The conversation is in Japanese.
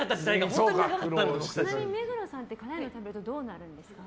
目黒さんって辛いの食べるとどうなるんですか？